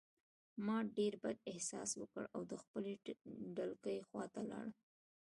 ما ډېر بد احساس وکړ او د خپلې ډلګۍ خواته لاړم